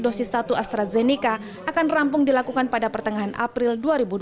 dosis satu astrazeneca akan rampung dilakukan pada pertengahan april dua ribu dua puluh